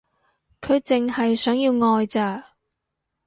佢淨係想要愛咋